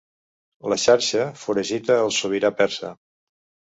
La xarxa foragita el sobirà persa.